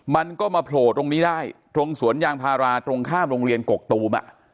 มันก็มาโผล่ตรงนี้ได้ตรงสวนยางพาราตรงข้ามโรงเรียนกกตูม